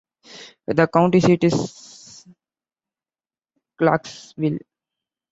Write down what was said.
The county seat is Clarksville.